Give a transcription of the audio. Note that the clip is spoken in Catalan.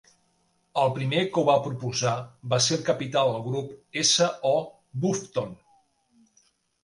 El primer que ho va proposar va ser el Capità del Grup S. O. Bufton.